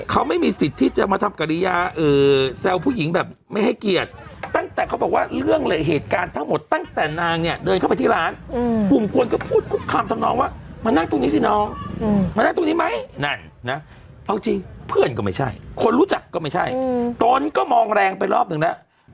เอาจริงเพื่อนก็ไม่ใช่คนรู้จักก็ไม่ใช่ตนก็มองแรงไปรอบหนึ่งแล้ว